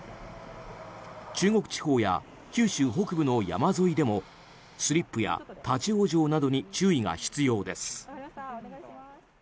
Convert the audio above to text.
中国地方や九州北部の山沿いでもスリップや立ち往生などに注意が必要です。